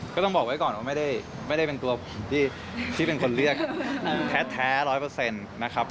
ก็ต้องบอกไว้ก่อนว่าไม่ได้เป็นตัวผมที่เป็นคนเรียกแท้๑๐๐นะครับ